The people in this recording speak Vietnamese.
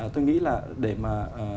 tôi nghĩ là để mà